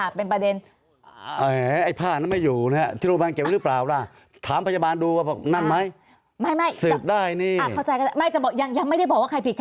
ไอ้ผ้านี่เมื่ออยู่เนี่ยที่โรงพยาบาลเก็บไหมรึเปล่า